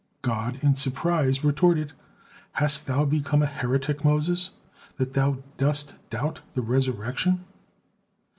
God in surprise retorted: "Hast thou become a heretic, Moses, that thou dost doubt the resurrection?"